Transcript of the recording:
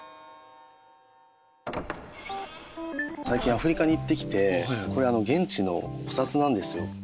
最近アフリカに行ってきてこれ現地のお札なんですよ。